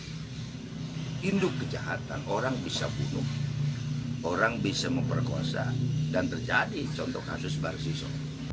ini induk kejahatan orang bisa bunuh orang bisa memperkuasa dan terjadi contoh kasus baru siswa